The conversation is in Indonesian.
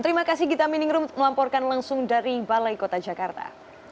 terima kasih gita miningrum melamporkan langsung dari balai kota jakarta